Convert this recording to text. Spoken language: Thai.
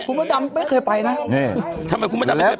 คุณพระดำไม่เคยไปนะนี่ทำไมคุณมดดำไม่เคยไป